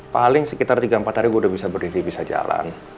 paling sekitar tiga empat hari udah bisa berdiri bisa jalan